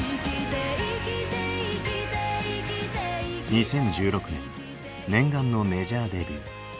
２０１６年念願のメジャーデビュー。